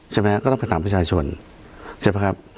ใช่ไหมครับก็ต้องผสมปัจฉน